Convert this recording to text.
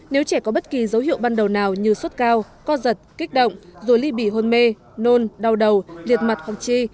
nếu trẻ có bất kỳ dấu hiệu ban đầu nào như sốt cao co giật kích động rồi ly bì hôn mê nôn đau đầu liệt mặt hoặc chi